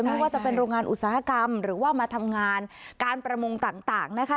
ไม่ว่าจะเป็นโรงงานอุตสาหกรรมหรือว่ามาทำงานการประมงต่างนะคะ